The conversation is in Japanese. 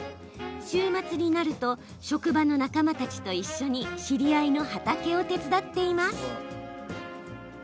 週末になると職場の仲間たちと一緒に知り合いの畑を手伝っています。